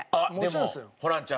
でもホランちゃん